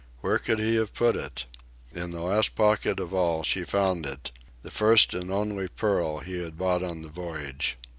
Where could he have put it? In the last pocket of all she found it, the first and only pearl he had bought on the voyage.